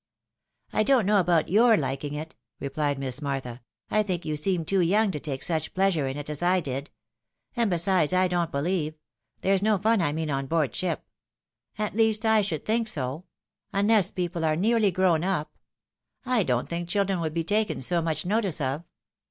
" I don't know about your liking it," replied Miss Martha. " I think you seem too young to take such pleasure in it as. I did. And besides, I don't beheve — There's no fun I mean on board ship — at least I should think so — unless people are nearly grown up. I don't think children would be taken so much notice of."